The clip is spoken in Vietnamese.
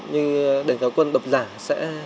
như đèn kéo quân đọc giả sẽ